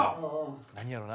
何やろな。